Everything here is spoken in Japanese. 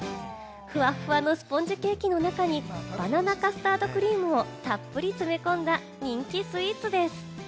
ふわふわのスポンジケーキの中にバナナカスタードクリームをたっぷり詰め込んだ人気スイーツです。